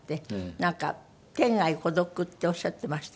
なんか天涯孤独っておっしゃってました？